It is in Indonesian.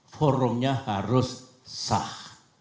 forumnya harus sah